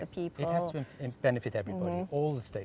dan memanfaatkan orang orang